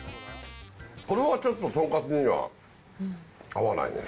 これはちょっととんかつには合わないね。